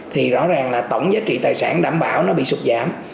bảy mươi tám mươi thì rõ ràng là tổng giá trị tài sản đảm bảo nó bị sụt giảm